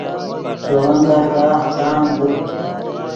دے ون درگاہ چام دے